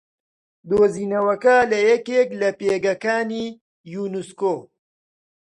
دوزینەوەکە لە یەکێک لە پێگەکانی یوونسکۆ